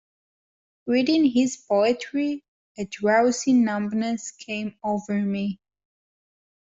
Reading his poetry, a drowsy numbness came over me.